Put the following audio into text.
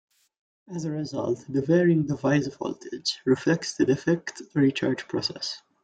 As a result, the varying device voltage reflects the defect recharge process.